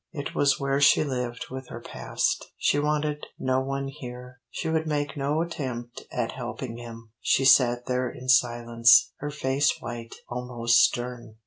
It was where she lived with her past. She wanted no one here. She would make no attempt at helping him. She sat there in silence, her face white, almost stern.